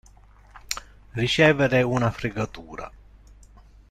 Ricevere una fregatura.